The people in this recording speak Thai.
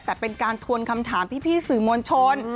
แต่เป็นการทวนคำถามพี่สื่อมวลชน